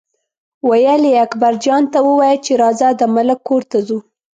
ویل یې اکبرجان ته ووایه چې راځه د ملک کور ته ځو.